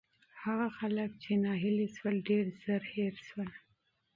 هغه خلک چې ناهیلي شول، ډېر ژر هېر شول.